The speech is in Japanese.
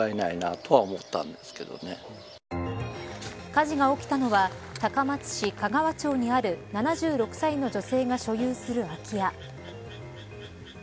火事が起きたのは高松市香川町にある７６歳の女性が所有する空き家。